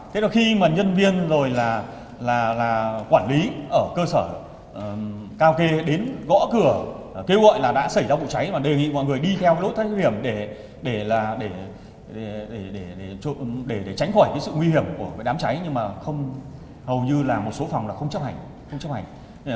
thế là khi mà nhân viên rồi là quản lý ở cơ sở karaoke đến gõ cửa kêu gọi là đã xảy ra vụ cháy mà đề nghị mọi người đi theo cái lối thách nhiệm để tránh khỏi cái sự nguy hiểm của đám cháy nhưng mà hầu như là một số phòng là không chấp hành không chấp hành